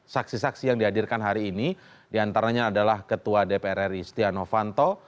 saksi saksi yang dihadirkan hari ini diantaranya adalah ketua dpr ri setia novanto